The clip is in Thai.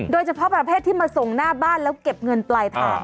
เฉพาะประเภทที่มาส่งหน้าบ้านแล้วเก็บเงินปลายทาง